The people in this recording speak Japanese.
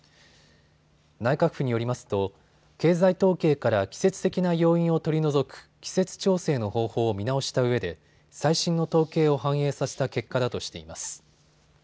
内閣府によりますと経済統計から季節的な要因を取り除く季節調整の方法を見直したうえで最新の統計を反映させた結果だとしています。